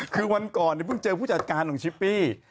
คือวันก่อนเพิ่งเจอผู้จัดการของชิปปี้